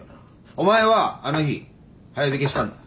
お前はあの日早引きしたんだ。